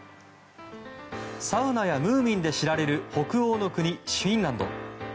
サウナや「ムーミン」で知られる北欧の国フィンランド。